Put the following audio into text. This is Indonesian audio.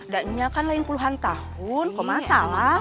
gak nyiap kan lain puluhan tahun kok masalah